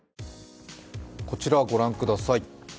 こちらご覧ください。